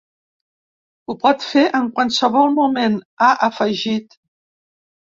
Ho pot fer en qualsevol moment, ha afegit.